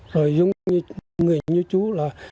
rồi như người như chú là